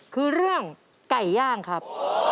คือเรื่องไก่ย่างครับ